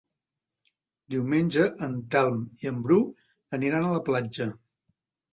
Diumenge en Telm i en Bru aniran a la platja.